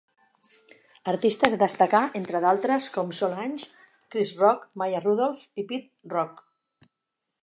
Artistes a destacar, entre d'altres, com Solange, Chris Rock, Maya Rudolph i Pete Rock.